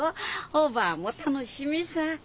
おばぁも楽しみさぁ。